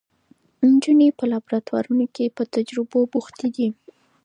نجونې په لابراتوارونو کې په تجربو بوختې دي.